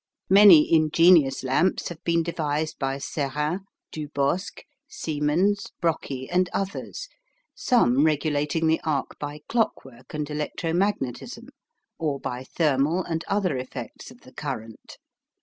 Many ingenious lamps have been devised by Serrin, Dubosq, Siemens, Brockie, and others, some regulating the arc by clockwork and electro magnetism, or by thermal and other effects of the current.